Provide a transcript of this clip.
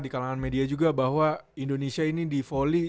di kalangan media juga bahwa indonesia ini di volley